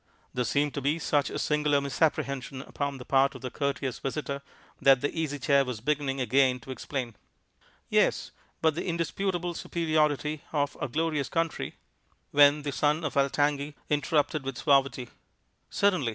There seemed to be such a singular misapprehension upon the part of the courteous visitor that the Easy Chair was beginning again to explain "Yes, but the indisputable superiority of our glorious country" when the son of Altangi interrupted, with suavity: "Certainly.